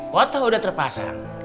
foto udah terpasang